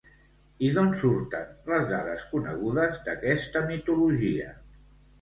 I d'on surten les dades conegudes d'aquesta mitologia?